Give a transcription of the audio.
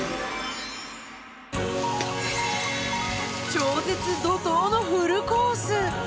超絶怒とうのフルコース！